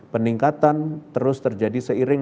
peningkatan terus terjadi seiring